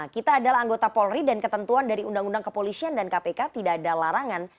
kita adalah anggota polri dan ketentuan dari undang undang kepolisian dan kpk tidak ada larangan